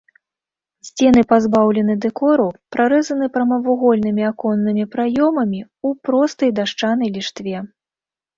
Сцены пазбаўлены дэкору, прарэзаны прамавугольнымі аконнымі праёмамі ў простай дашчанай ліштве.